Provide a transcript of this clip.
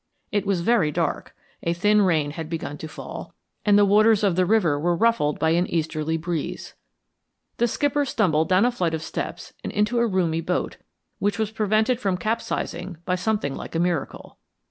It was very dark; a thin rain had begun to fall, and the waters of the river were ruffled by an easterly breeze. The skipper stumbled down a flight of steps and into a roomy boat, which was prevented from capsizing by something like a miracle.